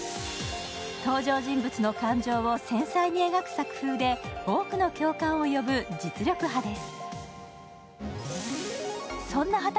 登場人物の感情を繊細に描く作風で多くの共感を呼ぶ実力派です。